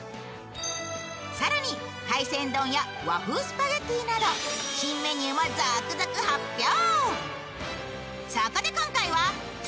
更に海鮮丼や和風スパゲッティなど新メニューも続々発表。